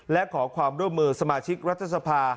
และขอความร่วมมือสมาชิกรัฐสภา